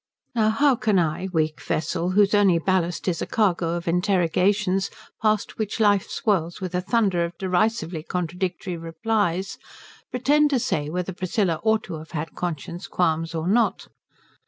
Now how can I, weak vessel whose only ballast is a cargo of interrogations past which life swirls with a thunder of derisively contradictory replies, pretend to say whether Priscilla ought to have had conscience qualms or not?